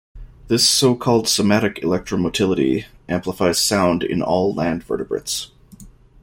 This so-called somatic electromotility amplifies sound in all land vertebrates.